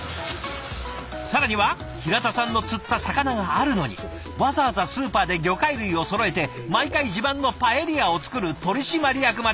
更には平田さんの釣った魚があるのにわざわざスーパーで魚介類をそろえて毎回自慢のパエリアを作る取締役まで！